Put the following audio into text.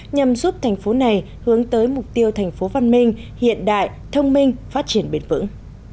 nhằm giúp thành phố này hướng tới mục tiêu thành phố văn minh hiện đại thông minh phát triển bền vững